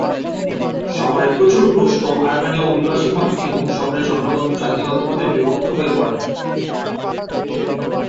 শহরে প্রচুর রুশ ও আর্মেনীয় অভিবাসী হন এবং শহরের জনগণ জাতিগতভাবে বিভক্ত হয়ে পড়ে।